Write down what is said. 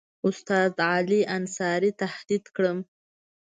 استاد علي انصاري تهدید کړم.